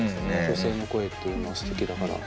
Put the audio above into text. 女性の声っていうのはすてきだから。